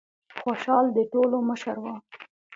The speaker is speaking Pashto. خوشال د ټولو مشر و.